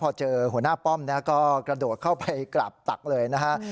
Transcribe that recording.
พอเจอหัวหน้าป้อมก็กระโดดเข้าไปกราบตักเลยนะฮะ